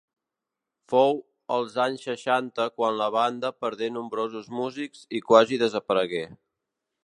Fou els anys seixanta quan la banda perdé nombrosos músics i quasi desaparegué.